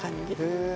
へえ。